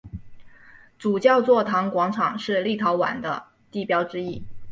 主教座堂广场是立陶宛的地标之一。